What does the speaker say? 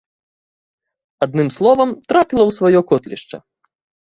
Адным словам, трапіла ў сваё котлішча.